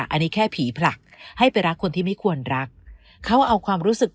อันนี้แค่ผีผลักให้ไปรักคนที่ไม่ควรรัก